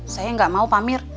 saya gak mau pak amir